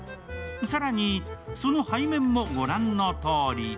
更に、その背面もご覧のとおり。